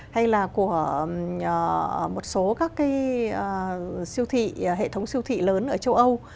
hay là của một số các cái siêu thị hệ thống siêu thị lớn ở châu âu